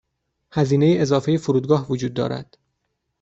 هزینه اضافه فرودگاه وجود دارد.